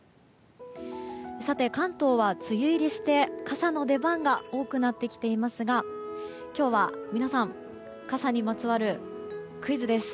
さて、関東は梅雨入りして傘の出番が多くなってきていますが皆さん、今日は傘にまつわるクイズです。